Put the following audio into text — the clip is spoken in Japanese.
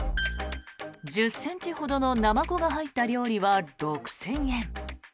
１０ｃｍほどのナマコが入った料理は６０００円。